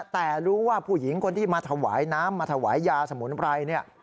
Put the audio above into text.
แต่รู้ว่าผู้หญิงคนที่มาถวายน้ำมาถวายยาสมุนไพรเนี่ย